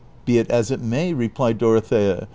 ^' Be it as it may !" replied Dorothea.